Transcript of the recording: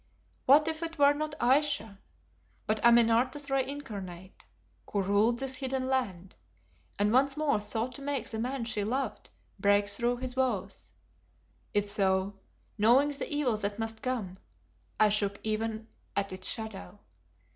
What if it were not Ayesha, but Amenartas re incarnate who ruled this hidden land and once more sought to make the man she loved break through his vows? If so, knowing the evil that must come, I shook even at its shadow.